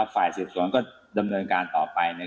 ฝ่ายสืบสวนก็ดำเนินการต่อไปเนี่ย